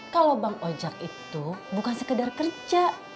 kalau bang ojak itu bukan sekedar kerja